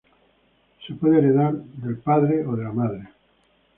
Puede ser heredado del padre o de la madre.